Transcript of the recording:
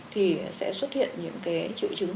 thì sẽ xuất hiện những cái triệu chứng